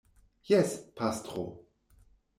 Jes, pastro.